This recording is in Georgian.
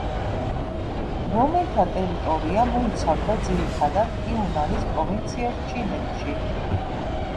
რომელთა ტერიტორია მოიცავდა ძირითადად, იუნანის პროვინციას ჩინეთში.